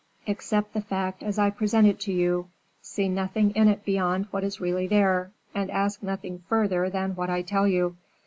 Accept the fact as I present it to you; see nothing in it beyond what is really there, and ask nothing further than what I tell you.